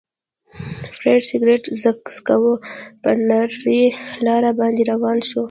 فرید سګرېټ څکاوه، پر نرۍ لار باندې روان شو.